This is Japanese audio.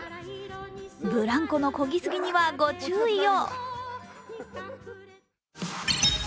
ブランコの漕ぎ過ぎにはご注意を。